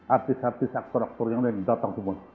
artis artis aktor aktor yang lain datang semua